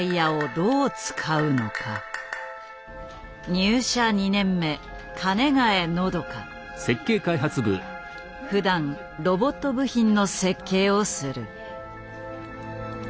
入社２年目ふだんロボット部品の設計をする。